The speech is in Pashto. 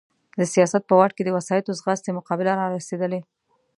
د سیاست په واټ کې د وسایطو ځغاستې مقابله را رسېدلې.